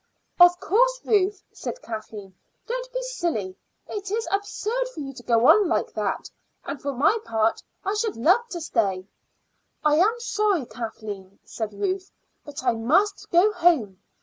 "Of course, Ruth," said Kathleen. "Don't be silly; it is absurd for you to go on like that. And for my part I should love to stay." "I am sorry, Kathleen," said Ruth, "but I must go home.